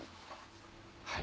はい。